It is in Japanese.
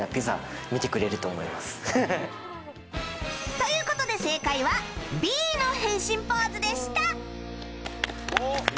ということで正解はＢの変身ポーズでした。